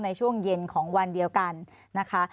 ในช่วงเย็นของวันเดียวกันนะคะ